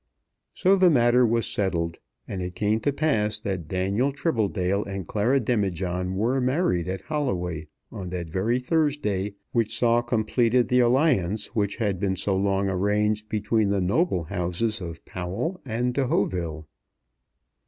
So the matter was settled, and it came to pass that Daniel Tribbledale and Clara Demijohn were married at Holloway on that very Thursday which saw completed the alliance which had been so long arranged between the noble houses of Powell and De Hauteville.